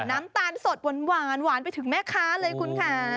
น้ำตาลสดหวานไปถึงแม่ค้าเลยคุณค่ะ